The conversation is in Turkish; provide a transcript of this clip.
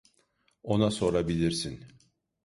Ona sorabilirsin.